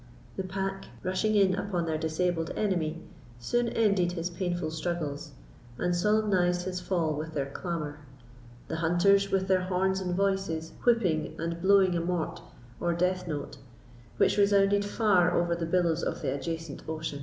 The pack, rushing in upon their disabled enemy, soon ended his painful struggles, and solemnised his fall with their clamour; the hunters, with their horns and voices, whooping and blowing a mort, or death note, which resounded far over the billows of the adjacent ocean.